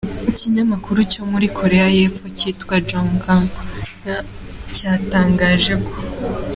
Ikinyamakuru cyo muri Korea y’epfo cyitwa Jong Ang Ilbo cyatangaje ko.